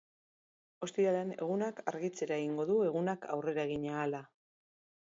Ostiralean egunak argitzera egingo du egunak aurrera egin ahala.